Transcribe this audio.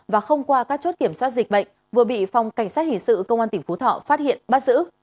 và không qua các chốt kiểm soát dịch bệnh vừa bị phòng cảnh sát hình sự công an tỉnh phú thọ phát hiện bắt giữ